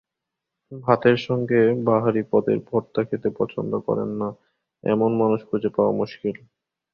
ভাতের সঙ্গে বাহারি পদের ভর্তা খেতে পছন্দ করেন না এমন মানুষ খুঁজে পাওয়া মুশকিল।